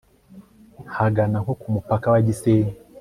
hagana nko ku mupaka wa gisenyi